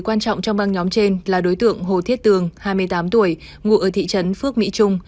quan trọng trong băng nhóm trên là đối tượng hồ thiết tường hai mươi tám tuổi ngụ ở thị trấn phước mỹ trung